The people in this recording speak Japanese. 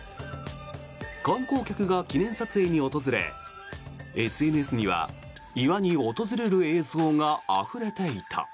観光客が記念撮影に訪れＳＮＳには岩に訪れる映像があふれていた。